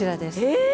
え！？